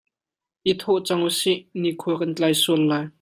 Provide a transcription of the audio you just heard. I thawh cang u sih, nikhua kan tlai sual lai.